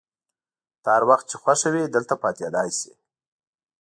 ته هر وخت چي خوښه وي دلته پاتېدای شې.